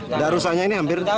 tidak rusaknya ini hampir